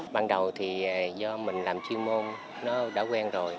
ban đầu thì do mình làm chuyên môn nó đã quen rồi